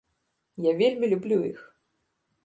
Я вельмі люблю іх!